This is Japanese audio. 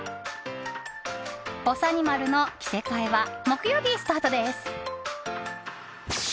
「ぼさにまる」の着せ替えは木曜日スタートです。